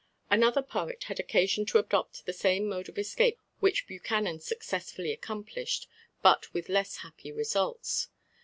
Another poet had occasion to adopt the same mode of escape which Buchanan successfully accomplished, but with less happy results.